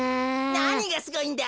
なにがすごいんだ？